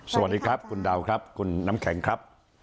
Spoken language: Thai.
สวัสดีครับคุณดาวครับคุณน้ำแข็งครับ